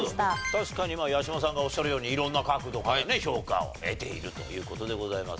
確かに八嶋さんがおっしゃるように色んな角度からね評価を得ているという事でございます。